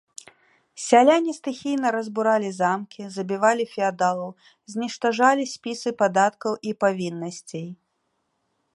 Сяляне стыхійна разбуралі замкі, забівалі феадалаў, зніштажалі спісы падаткаў і павіннасцей.